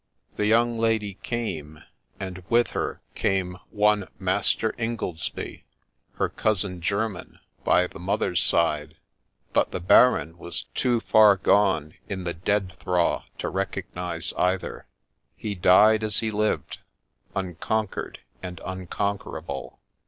The young lady came, and with her came one Master Ingoldsby, her cousin german by the mother's side ; but the Baron was too far gone in the dead thraw to recognize either. He died as he lived, unconquered and unconquerable.